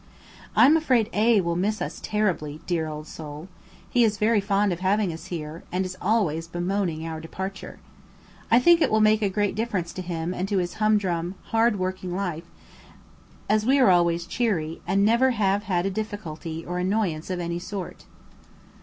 I am afraid A will miss us terribly, dear old soul! He is very fond of having us here, and is always bemoaning our departure. I think it will make a great difference to him and to his humdrum hard working life, as we are always cheery and have never had a difficulty or annoyance of any sort.